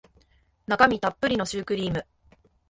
中身たっぷりのシュークリーム